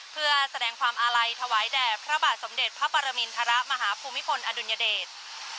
เพื่อแสดงความอาลัยถวายแด่พระบาทสมเด็จพระปรมินทรมาฮภูมิพลอดุลยเดช